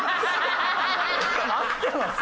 合ってます？